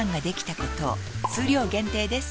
数量限定です